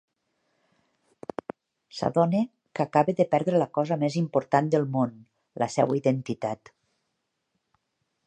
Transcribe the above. S'adona que acaba de perdre la cosa més important al món: la seva identitat.